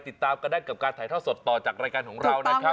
ติดตามกันได้กับการถ่ายท่อสดต่อจากรายการของเรานะครับ